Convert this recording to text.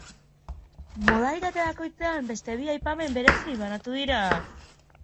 Modalitate bakoitzean beste bi aipamen berezi banatu dira.